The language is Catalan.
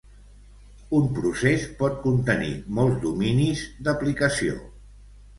Un procés pot contenir molts dominis d'aplicació.